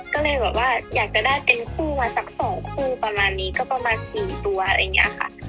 ก็เลยแบบว่าอยากจะได้เป็นคู่มาสัก๒คู่ประมาณนี้ก็ประมาณ๔ตัวอะไรอย่างนี้ค่ะ